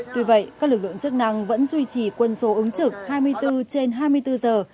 tuy vậy các lực lượng chức năng vẫn duy trì quân số ứng trực hai mươi bốn trên hai mươi bốn giờ